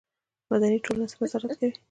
مدني ټولنه څه نظارت کوي؟